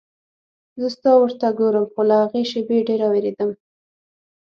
زه ستا ور ته ګورم خو له هغې شېبې ډېره وېرېدم.